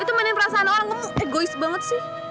itu mainin perasaan orang egois banget sih